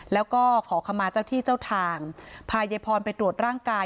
แล้วก็ขอขมาเจ้าที่เจ้าทางพายายพรไปตรวจร่างกาย